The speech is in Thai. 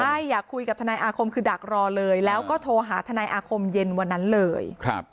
ใช่อยากคุยกับทนายอาคมคือดักรอเลยแล้วก็โทรหาทนายอาคมเย็นวันนั้นเลย